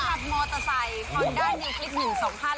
กับมอเตอร์ไซคอนด้าน